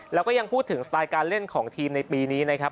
แล้วก็ยังพูดถึงสไตล์การเล่นของทีมในปีนี้นะครับ